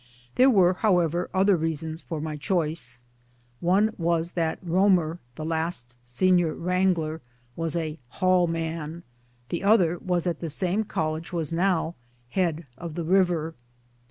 There were however other reasons for my choice. One was that Rorrier, the last Senior Wrangler, was a " Hall " man ; the other was that the same College was now Head of the River.